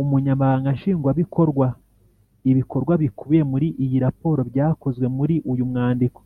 Ubunyamabanga Nshingwabikorwa Ibikorwa bikubiye muri iyi raporo byakozwe muri uyu mwandiko